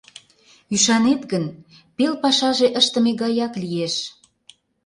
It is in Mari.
Ӱшанет гын, пел пашаже ыштыме гаяк лиеш.